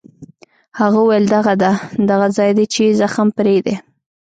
هغه وویل: دغه ده، دغه ځای دی چې زخم یې پرې دی.